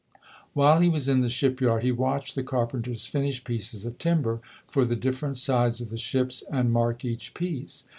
While he was in the shipyard, he watched the carpenters finish pieces of timber for the different sides of the ships and mark each piece.